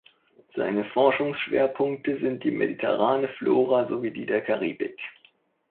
Seine Forschungsschwerpunkte sind die mediterrane Flora sowie die der Karibik.